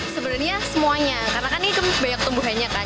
sebenarnya semuanya karena kan ini banyak tumbuhannya kan